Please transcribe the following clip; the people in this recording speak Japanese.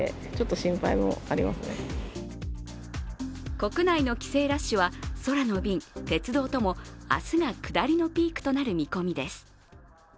国内の帰省ラッシュは空の便・鉄道とも明日が下りのピークとなる見込みです。